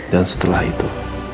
dan setelah itu